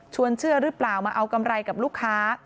เชื่อหรือเปล่ามาเอากำไรกับลูกค้า